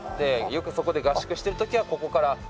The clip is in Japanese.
よくそこで合宿してる時はここから駅行って。